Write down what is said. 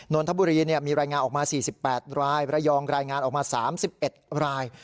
นนทบุรีมีรายงานออกมา๔๘รายระยองรายงานออกมา๓๑ราย